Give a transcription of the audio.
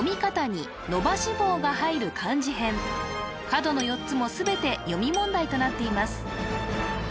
角の４つも全て読み問題となっています